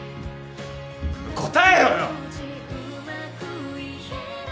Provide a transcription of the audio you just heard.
答えろよ！